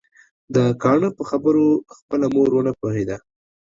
د کاڼه په خبرو خپله مور ونه پوهيده